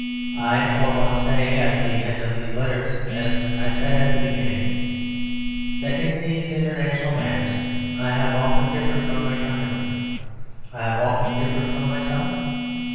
I, for one, say at the end of these letters, as I said at the beginning; that in these international matters I have often differed from my countrymen; I have often differed from myself.